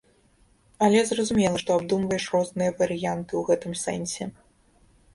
Але зразумела, што абдумваеш розныя варыянты ў гэтым сэнсе.